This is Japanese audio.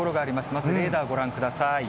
まずレーダーご覧ください。